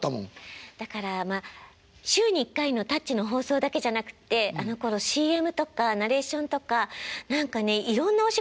だからまあ週に１回の「タッチ」の放送だけじゃなくてあのころＣＭとかナレーションとか何かねいろんなお仕事。